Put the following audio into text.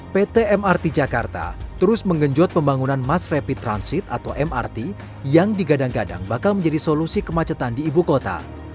pt mrt jakarta terus menggenjot pembangunan mass rapid transit atau mrt yang digadang gadang bakal menjadi solusi kemacetan di ibu kota